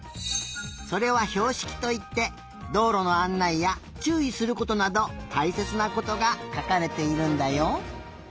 それはひょうしきといってどうろのあんないやちゅういすることなどたいせつなことがかかれているんだよ。